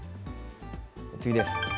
次です。